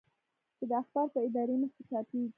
چې د اخبار په اداري مخ کې چاپېږي.